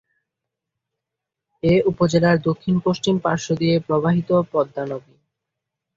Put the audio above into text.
এ উপজেলার দক্ষিণ-পশ্চিম পার্শ্ব দিয়ে প্রবাহিত পদ্মা নদী।